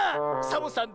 サボさん